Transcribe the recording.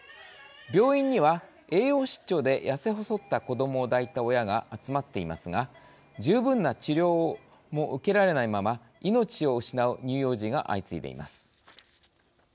病院には、栄養失調で痩せ細った子どもを抱いた親が集まっていますが十分な治療も受けられないまま命を失う乳幼児が相次いでいます。